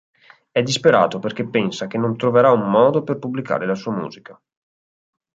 È disperato perché pensa che non troverà un modo per pubblicare la sua musica.